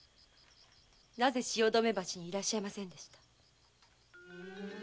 なぜ汐留橋にいらっしゃいませんでした？